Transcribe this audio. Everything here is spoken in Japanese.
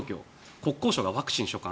国交省がワクチン所管。